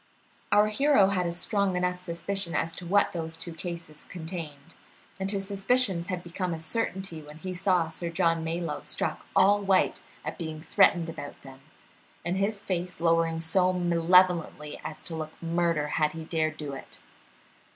Our hero had a strong enough suspicion as to what those two cases contained, and his suspicions had become a certainty when he saw Sir John Malyoe struck all white at being threatened about them, and his face lowering so malevolently as to look murder had he dared do it.